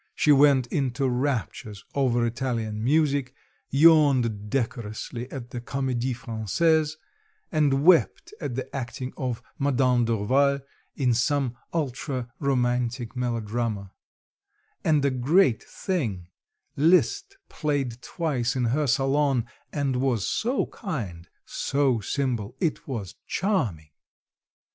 She went into raptures over Italian music, yawned decorously at the Comédie Française, and wept at the acting of Madame Dorval in some ultra romantic melodrama; and a great thing Liszt played twice in her salon, and was so kind, so simple it was charming!